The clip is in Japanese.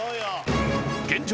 現状